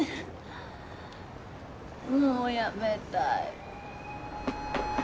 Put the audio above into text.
もう辞めたい。